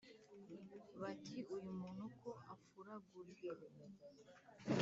Bati : Uyu muntu ko afuragurika